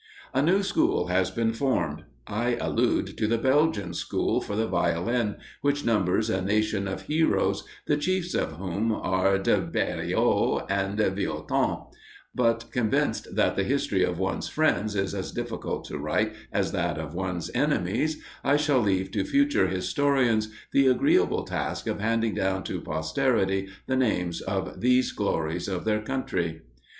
A new school has been formed. I allude to the Belgian school for the Violin, which numbers a nation of heroes, the chiefs of whom are De Bériot and Vieuxtemps; but, convinced that the history of one's friends is as difficult to write as that of one's enemies, I shall leave to future historians the agreeable task of handing down to posterity the names of these glories of their country.